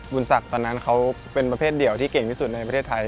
ศักดิ์ตอนนั้นเขาเป็นประเภทเดียวที่เก่งที่สุดในประเทศไทย